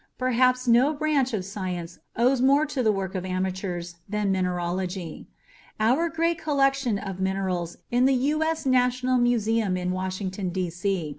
Perhaps no branch of science owes more to the work of amateurs than mineralogy. Our great collection of minerals in the U.S. National Museum in Washington, D.C.